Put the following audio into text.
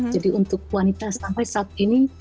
jadi untuk wanita sampai saat ini